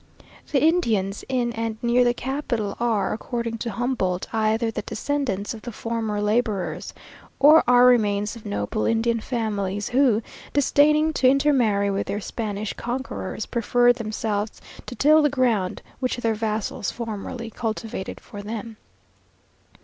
The Indians in and near the capital are, according to Humboldt, either the descendants of the former labourers, or are remains of noble Indian families, who, disdaining to intermarry with their Spanish conquerors, preferred themselves to till the ground which their vassals formerly cultivated for them.